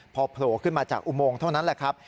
พอโผล่ขึ้นมาจากอุโมงเท่านั้นแหละครับ